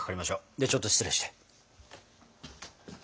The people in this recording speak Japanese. ではちょっと失礼して。